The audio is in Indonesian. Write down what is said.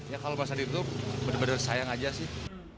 ya kalau bahasa ditutup benar benar sayang aja sih